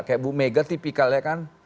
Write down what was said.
kayak bu mega tipikalnya kan